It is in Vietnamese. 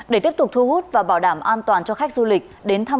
để tiếp tục thu hút và bảo đảm an toàn cho khách du lịch